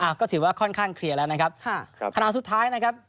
ก็ถือว่าค่อนข้างเคลียร์แล้วนะครับค่ะครับขณะสุดท้ายนะครับ